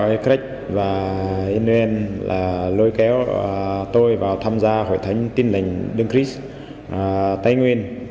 y chới và y nguyên lôi kéo tôi vào tham gia hội thánh tin lành đấng trích tây nguyên